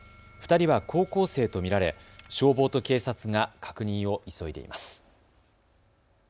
２人は高校生と見られ消防と警察が確認を急いでいます。